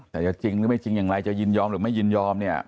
แต่จะจริงหรือไม่จริงอย่างไรจะยินยอมหรือไม่ยินยอมเนี่ย